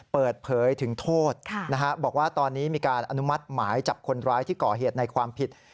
เปิดเผยถึงโทษบอกว่าตอนนี้มีการอนุมัติหมายจับคนร้ายที่ก่อเหตุในความผิด